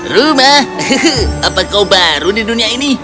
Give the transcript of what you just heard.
rumah apa kau baru di dunia ini